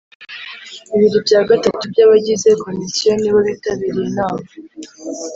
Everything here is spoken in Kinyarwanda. Bibiri bya gatatu by ‘abagize Komisiyo nibo bitabiriye inama